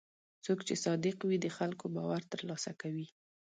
څوک چې صادق وي، د خلکو باور ترلاسه کوي.